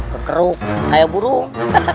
kekeruk kaya burung